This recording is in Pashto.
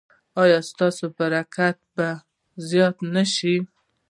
ایا ستاسو برکت به زیات نه شي؟